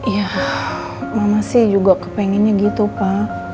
ya mama sih juga kepengennya gitu pak